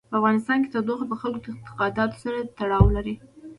په افغانستان کې تودوخه د خلکو د اعتقاداتو سره تړاو لري.